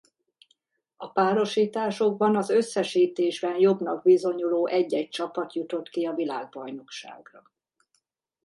A párosításokban az összesítésben jobbnak bizonyuló egy-egy csapat jutott ki a világbajnokságra.